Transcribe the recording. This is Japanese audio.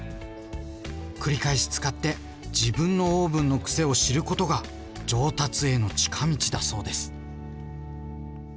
繰り返し使って自分のオーブンの癖を知ることが上達への近道だそうです。